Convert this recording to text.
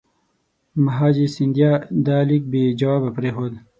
مهاجي سیندیا دا لیک بې جوابه پرېښود.